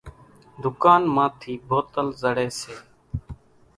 ۮُڪانَ مان ٿِي بوتل زڙيَ سي۔